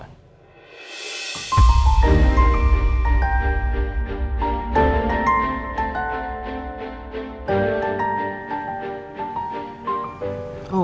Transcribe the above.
tunggu aku mau cari masalah